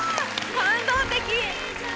感動的。